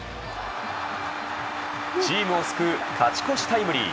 チームを救う勝ち越しタイムリー。